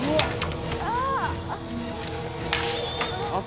「ああ」